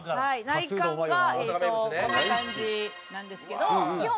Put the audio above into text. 内観がこんな感じなんですけど基本